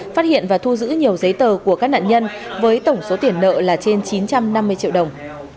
phát hiện và thu giữ nhiều giấy tờ của các nạn nhân với tổng số tiền nợ là trên chín trăm năm mươi triệu đồng